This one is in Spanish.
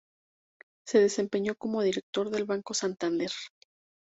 Se desempeñó como Director del Banco Santander.